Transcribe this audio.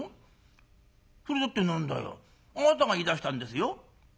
それだって何だあなたが言いだしたんですよ」。